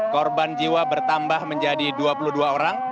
korban jiwa bertambah menjadi dua puluh dua orang